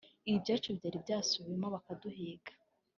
Ibyacu byari byasubiwemo Bakaduhiga